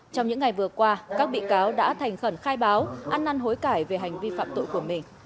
trong những ngày vừa qua các bị cáo đã thành khẩn khai báo ăn năn hối cải về hành vi phạm tội của mình